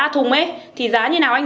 ba thùng ấy thì giá như thế nào anh nhỉ